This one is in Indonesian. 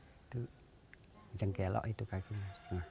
itu jengkelok itu kakinya